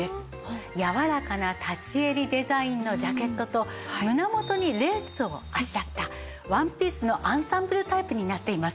やわらかな立ち襟デザインのジャケットと胸元にレースをあしらったワンピースのアンサンブルタイプになっています。